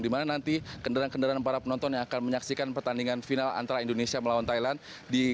dimana nanti kendaraan kendaraan para penonton yang akan menyaksikan pertandingan final antara indonesia melawan thailand